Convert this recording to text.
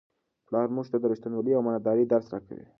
پلار موږ ته د رښتینولۍ او امانتدارۍ درس راکوي.